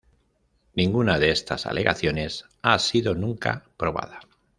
Ninguna de estas alegaciones ha sido nunca probada.